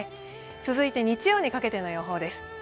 続いて日曜にかけての予報です。